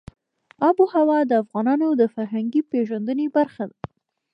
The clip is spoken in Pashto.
آب وهوا د افغانانو د فرهنګي پیژندنې برخه ده.